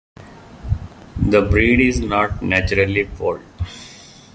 The breed is not naturally polled.